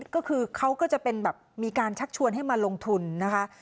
ก็คือเขาก็จะเป็นแบบมีการชักชวนให้มาลงทุนนะคะ